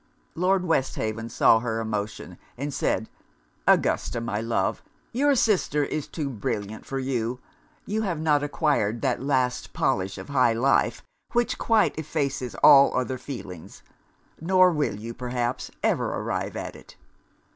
Lord Westhaven saw her emotion, and said, 'Augusta, my love, your sister is too brilliant for you. You have not acquired that last polish of high life, which quite effaces all other feelings; nor will you, perhaps, ever arrive at it.'